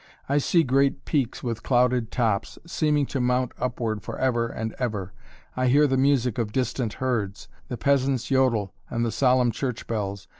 I see great peaks with clouded tops, seeming to mount upward for ever and ever. I hear the music of distant herds, the peasant's yodel and the solemn church bells.